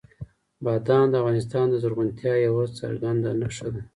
بادام د افغانستان د زرغونتیا یوه څرګنده نښه ده.